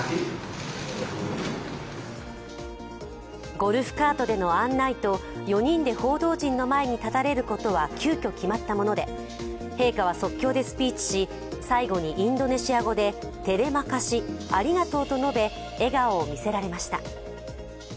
ゴルフカートでの案内と４人で報道陣の前に立たれることは急きょ決まったもので陛下は即興でスピーチし最後にインドネシア語でテレマカシ＝ありがとうと述べ笑顔を見せられました。